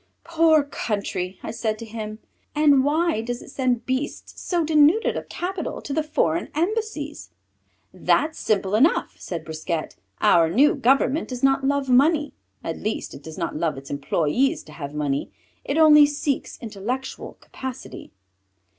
"Poor country," I said to him, "and why does it send beasts so denuded of capital to the foreign embassies?" "That's simple enough," said Brisquet. "Our new government does not love money at least it does not love its employees to have money. It only seeks intellectual capacity."